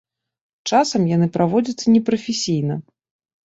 Часам яны праводзяцца непрафесійна.